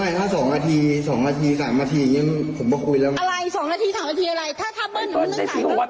ไม่ไม่ถ้าสองนาทีสองนาทีสามนาทียังผมก็คุยแล้วอะไรสองนาทีสามนาทีอะไรถ้าถ้าเบิ้ล